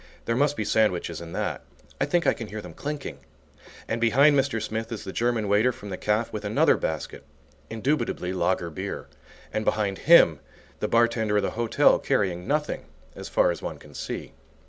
There must be sandwiches in that. I think I can hear them clinking. And behind Mr. Smith is the German waiter from the caff with another basket indubitably lager beer; and behind him, the bar tender of the hotel, carrying nothing, as far as one can see.